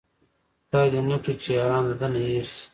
خداې دې نه کړي چې ياران د ده نه هير شي